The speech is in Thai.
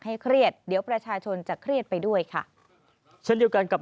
เครียดเดี๋ยวประชาชนจะเครียดไปด้วยค่ะเช่นเดียวกันกับ